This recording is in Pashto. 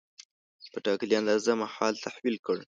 په ټاکلې اندازه مال تحویل کړ.